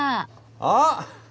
あっ！